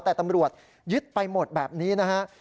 แต่ตำรวจยึดไปหมดแบบนี้นะฮะ